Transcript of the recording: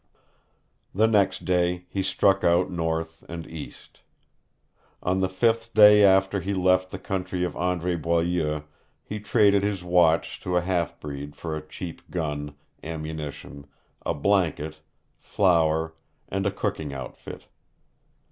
The next day he struck out north and east. On the fifth day after he left the country of Andre Boileau he traded his watch to a half breed for a cheap gun, ammunition, a blanket, flour, and a cooking outfit.